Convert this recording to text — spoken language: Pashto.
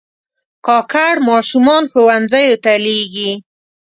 کاکړ ماشومان ښوونځیو ته لېږي.